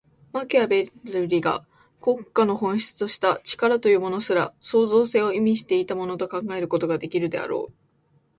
マキアヴェルリが国家の本質とした「力」というものすら、創造性を意味していたものと考えることができるであろう。